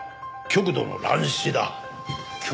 極度の乱視？